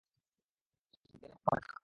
গেলে মন্দ হয়না।